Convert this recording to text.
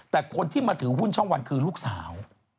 แต่คนที่มาถือหุ้นช่องวันคือลูกสาว